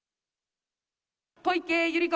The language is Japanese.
小池百合子